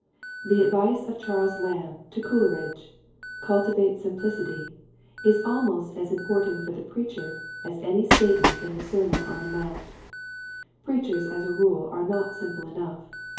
The advice of Charles Lamb to Coleridge, " cultivate simplicity " is almost as important for the preacher as any statement in the Sermon on the Mount. Preachers as a rule are not simple enough.